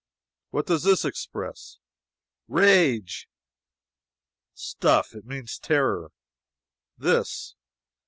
What does this express?" "Rage!" "Stuff! It means terror! This!"